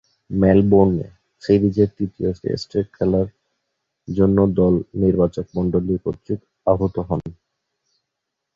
মেলবোর্নে সিরিজের তৃতীয় টেস্টে খেলার জন্য দল নির্বাচকমণ্ডলী কর্তৃক আহুত হন।